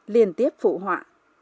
liên tiếp phụ họa